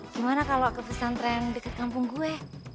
gimana kalau ke pesantren dekat kampung gue